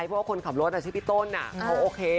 ถ้าให้คนขับรถชื่อพี่ต้นก็จะโอเค